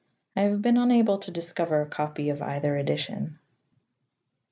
I have been unable to discover a copy of either edition.